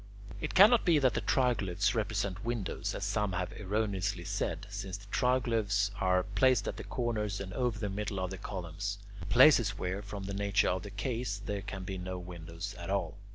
It cannot be that the triglyphs represent windows, as some have erroneously said, since the triglyphs are placed at the corners and over the middle of columns places where, from the nature of the case, there can be no windows at all.